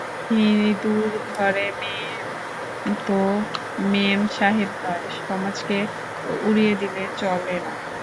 হিঁদুর ঘরের মেয়ে তো মেম-সাহেব নয়– সমাজকে তো উড়িয়ে দিলে চলে না।